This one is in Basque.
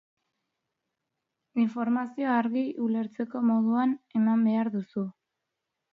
Informazioa argi, ulertzeko moduan, eman behar duzu.